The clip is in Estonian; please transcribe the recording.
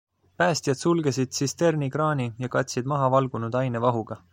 Päästjad sulgesid tsisterni kraani ja katsid maha valgunud aine vahuga.